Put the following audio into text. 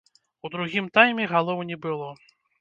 У другім тайме галоў не было.